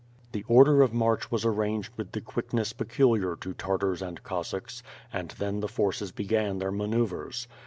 The order of marc h was arranged with the quickness pecu liar to Tartars and Cossacks, and then the forces began their manoeuvres.